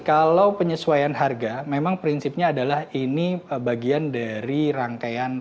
kalau penyesuaian harga memang prinsipnya adalah ini bagian dari rangkaian